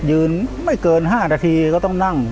ยืนไม่เกิน๕นาทีก็ต้องนั่ง